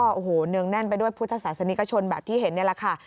โอ้โหเนืองแน่นไปด้วยพุทธศาสนิกชนแบบที่เห็นนี่แหละค่ะ